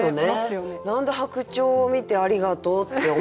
何で白鳥を見て「ありがとう」って思い出すんやろ？